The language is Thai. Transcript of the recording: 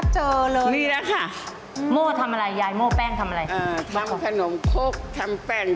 ใช่ค่ะความเป็นหินอ่างค่ะเป็นของแม่